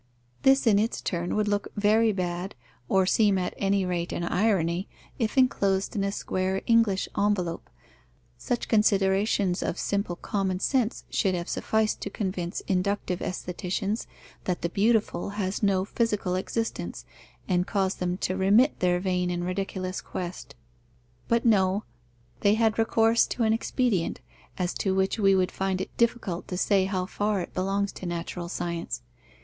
This in its turn would look very bad, or seem at any rate an irony, if enclosed in a square English envelope. Such considerations of simple common sense should have sufficed to convince inductive aestheticians, that the beautiful has no physical existence, and cause them to remit their vain and ridiculous quest. But no: they have had recourse to an expedient, as to which we would find it difficult to say how far it belongs to natural science.